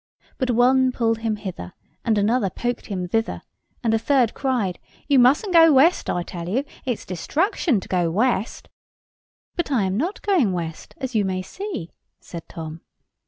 But one pulled him hither, and another poked him thither, and a third cried— "You mustn't go west, I tell you; it is destruction to go west." "But I am not going west, as you may see," said Tom.